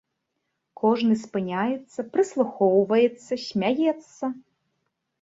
Кожны спыняецца, прыслухоўваецца, смяецца.